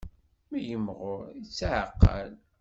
Mi yimɣur, yetɛeqqel.